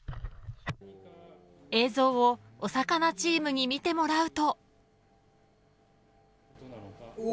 映像をお魚チームに見てもらうと。